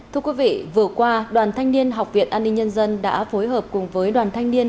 thưa quý vị vừa qua đoàn thanh niên học viện an ninh nhân dân đã phối hợp cùng với đoàn thanh niên